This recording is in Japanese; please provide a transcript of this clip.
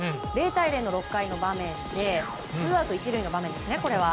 ０対０の６回の場面でツーアウト１塁の場面ですね。